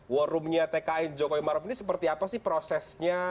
war roomnya tkn jokowi maruf ini seperti apa sih prosesnya